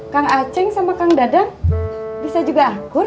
kang aceng sama kang dadang bisa juga akur ya